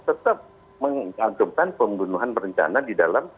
tetap mengantumkan pembunuhan berencana di dalam